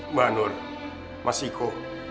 mbak nun mas iko